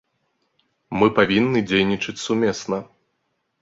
Мы павінны дзейнічаць сумесна.